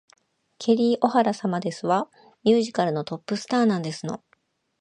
ケリー・オハラ様ですわ。ミュージカルのトップスターなんですの